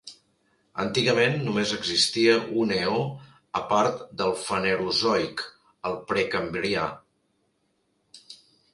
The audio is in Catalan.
Antigament només existia un eó a part del Fanerozoic, el Precambrià.